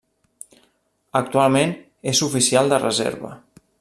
Actualment és oficial de reserva.